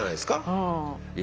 はい。